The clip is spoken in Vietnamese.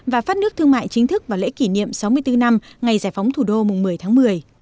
và phát nước thương mại chính thức và lễ kỷ niệm sáu mươi bốn năm ngày giải phóng thủ đô mùng một mươi tháng một mươi